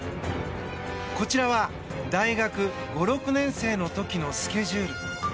こちらは大学５６年生の時のスケジュール。